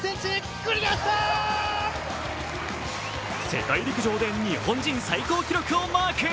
世界陸上で日本人最高記録をマーク。